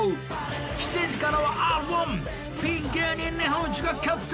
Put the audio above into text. ７時からは「Ｒ‐１」ピン芸人日本一が決定！